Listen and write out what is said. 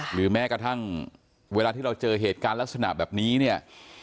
หรือแม้กระทั่งเวลาที่เราเจอเหตุการณ์ลักษณะแบบนี้เนี่ย